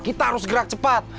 kita harus gerak cepat